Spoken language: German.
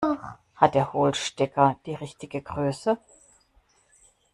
Hat der Hohlstecker die richtige Größe?